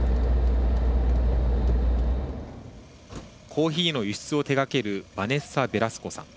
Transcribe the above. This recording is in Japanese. コーヒーの輸出を手がけるバネッサ・ベラスコさん。